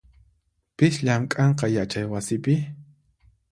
Pis llamk'anqa yachaywasipi?